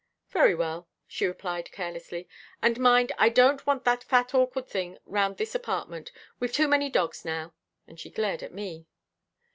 "Very well," she replied carelessly, "and mind, I don't want that fat awkward thing round this apartment. We've too many dogs now," and she glared at me.